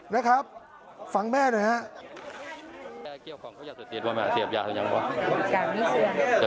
นะครับฟังแม่หน่อยฮะ